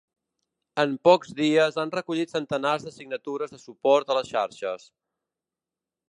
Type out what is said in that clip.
En pocs dies han recollit centenars de signatures de suport a les xarxes.